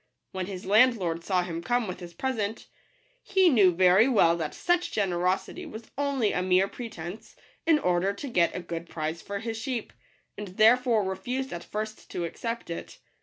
When his landlord saw him come with his present, he knew very well that such generosity was only a mere pretence, in order to get a good price for his sheep, and therefore re fused at first to accept it.